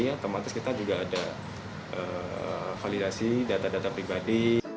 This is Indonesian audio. otomatis kita juga ada validasi data data pribadi